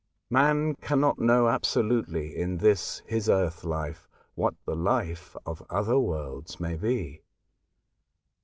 Man cannot know Preface. ' vii absolutely, in this his Earth life, what the life of other worlds may be.